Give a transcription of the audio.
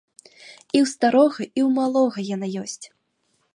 І ў старога і ў малога яна ёсць.